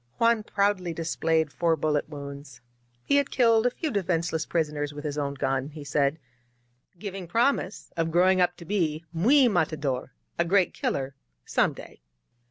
...'* Juan proudly displayed four bullet wounds. He had killed a few defenseless prisoners with his own gun, 66 THE FIVE MUSKETEERS he said; giving promise of growing up to be muy mata" dor (a great killer) some day.